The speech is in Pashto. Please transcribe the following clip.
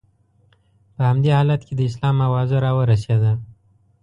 په همدې حالت کې د اسلام اوازه را ورسېده.